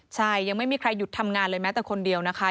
ใช่ยังไม่มีใครหยุดทำงานเลยแม้แต่คนเดียวนะคะ